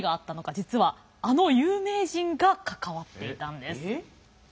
実はあの有名人が関わっていたんです。